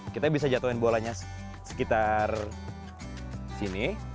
kita bisa jatuhin bolanya sekitar sini